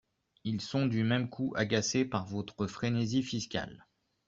Ils sont du même coup agacés par votre frénésie fiscale.